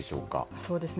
そうですね。